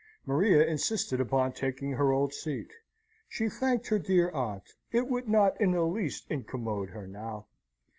Maria insisted upon taking her old seat. She thanked her dear aunt. It would not in the least incommode her now.